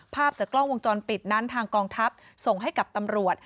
ภาพจากกล้องวงจรปิดนั้นทางกองทัพส่งให้กับตำรวจ